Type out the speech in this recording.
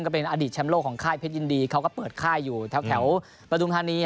เป็นอดีตแชมป์โลกของค่ายเพชรยินดีเขาก็เปิดค่ายอยู่แถวประทุมธานี